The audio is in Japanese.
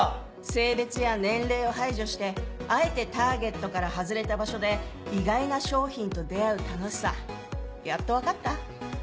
性別や年齢を排除してあえてターゲットから外れた場所で意外な商品と出合う楽しさやっと分かった？